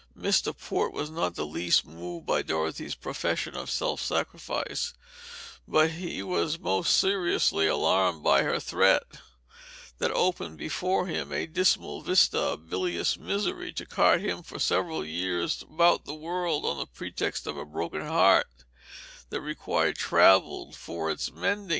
Mr. Port was not in the least moved by Dorothy's professions of self sacrifice; but he was most seriously alarmed by her threat that opened before him a dismal vista of bilious misery to cart him for several years about the world on the pretext of a broken heart that required travel for its mending.